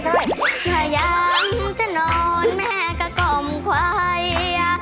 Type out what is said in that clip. พยายามจะนอนแม่ก็กล่อมควาย